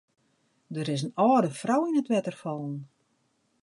Der is in âlde frou yn it wetter fallen.